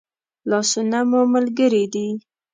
لاسونه مو ملګري دي